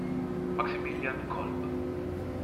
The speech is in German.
Maximilian Kolbe.